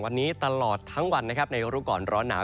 วันนี้ตลอดทั้งวันนะครับในรู้ก่อนร้อนหนาว